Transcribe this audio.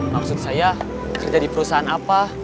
maksud saya kerja di perusahaan apa